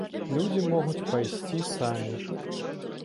Людзі могуць пайсці самі.